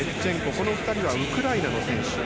この２人はウクライナの選手。